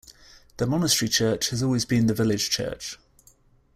The monastery church has always been the village church.